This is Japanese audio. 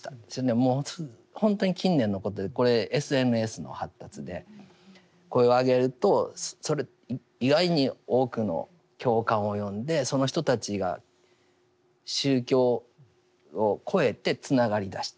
もう本当に近年のことでこれＳＮＳの発達で声を上げるとそれ意外に多くの共感を呼んでその人たちが宗教を超えてつながりだした。